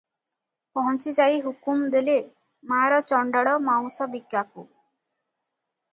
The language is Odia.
ପହଞ୍ଚିଯାଇ ହୁକୁମ ଦେଲେ, "ମାର ଚଣ୍ଡାଳ ମାଉଁସବିକାକୁ ।"